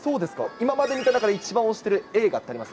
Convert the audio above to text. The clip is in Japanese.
今まで見た中で一番推してる映画ってあります？